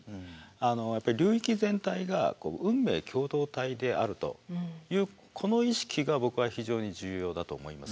やっぱり流域全体が運命共同体であるというこの意識が僕は非常に重要だと思います。